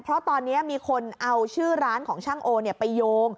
เพราะตอนนี้มีคนเอาชื่อร้านของช่างโอไปโยง